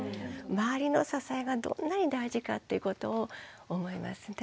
周りの支えがどんなに大事かっていうことを思いますね。